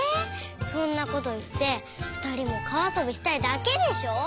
そんなこといってふたりも川あそびしたいだけでしょう？